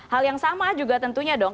hal yang sama juga tentunya dong